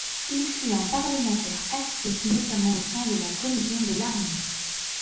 Il fut un parlementaire actif, notamment au sein de la commission de l'armée.